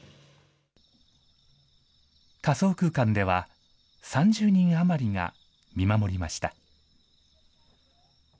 仮想空間では、３０人余りが見守りました。